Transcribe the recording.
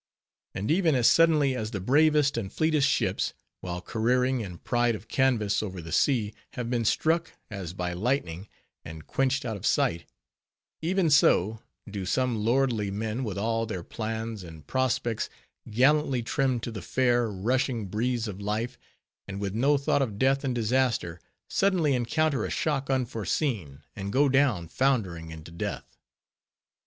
And even, as suddenly as the bravest and fleetest ships, while careering in pride of canvas over the sea, have been struck, as by lightning, and quenched out of sight; even so, do some lordly men, with all their plans and prospects gallantly trimmed to the fair, rushing breeze of life, and with no thought of death and disaster, suddenly encounter a shock unforeseen, and go down, foundering, into death.